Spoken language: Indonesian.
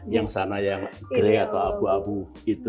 yang sana yang grey atau abu abu itu